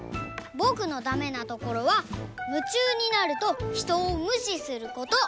ぼくのだめなところは「むちゅうになるとひとをむしする」こと。